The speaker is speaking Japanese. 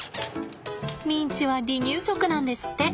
ミンチは離乳食なんですって。